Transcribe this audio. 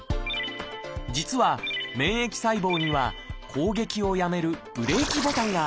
実は免疫細胞には攻撃をやめるブレーキボタンがあります。